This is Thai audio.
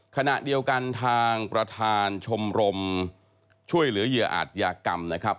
ขณะเดียวกันทางประธานชมรมช่วยเหลือเหยื่ออาจยากรรมนะครับ